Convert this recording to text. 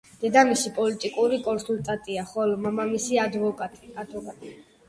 დედამისი პოლიტიკური კონსულტანტია, ხოლო მამამისი ადვოკატი.